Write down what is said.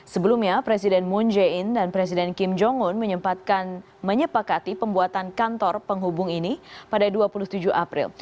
sebelumnya presiden moon jae in dan presiden kim jong un menyepakati pembuatan kantor penghubung ini pada dua puluh tujuh april